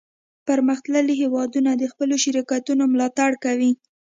پرمختللي هیوادونه د خپلو شرکتونو ملاتړ کوي